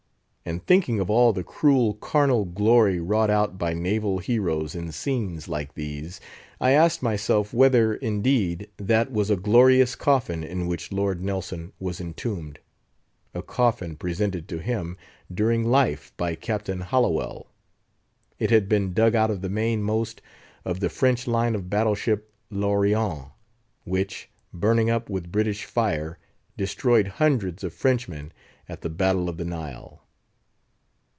And thinking of all the cruel carnal glory wrought out by naval heroes in scenes like these, I asked myself whether, indeed, that was a glorious coffin in which Lord Nelson was entombed—a coffin presented to him, during life, by Captain Hallowell; it had been dug out of the main most of the French line of battle ship L'Orient, which, burning up with British fire, destroyed hundreds of Frenchmen at the battle of the Nile.